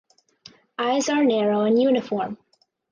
Eyes are narrow and uniform.